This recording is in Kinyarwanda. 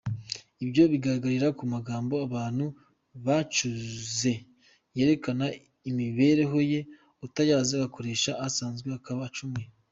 Ibyo bigaragarira ku magambo abantu bacuze yerekana imibereho ye, utayazi agakoresha asanzwe akaba acumuye.